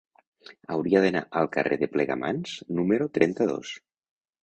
Hauria d'anar al carrer de Plegamans número trenta-dos.